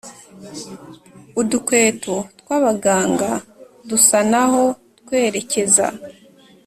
udukweto twabaganga dusanaho twerekeza